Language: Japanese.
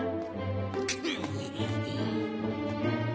くっ！